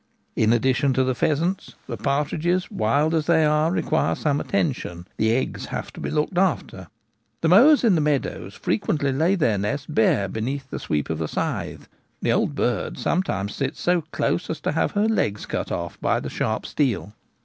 In addition to the pheasants, the partridges, wild as they are, require some attention — the eggs have to be looked after. The mowers in the meadows fre quently lay their nests bare beneath the sweep of the scythe : the old bird sometimes sits so close as to have her legs cut off by the sharp steel.